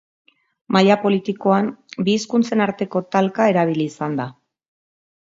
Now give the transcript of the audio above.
Maila politikoan bi hizkuntzen arteko talka erabili izan da.